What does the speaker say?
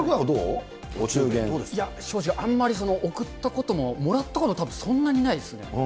正直、あんまり贈ったことももらったこともたぶんそんなにないですね。